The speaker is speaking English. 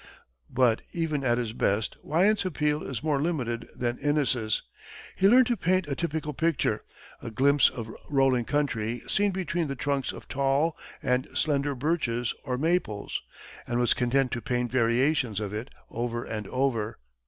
But even at his best, Wyant's appeal is more limited than Inness's. He learned to paint a typical picture, a glimpse of rolling country seen between the trunks of tall and slender birches or maples, and was content to paint variations of it over and over.